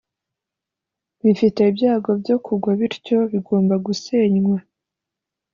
bifite ibyago byo kugwa bityo bigomba gusenywa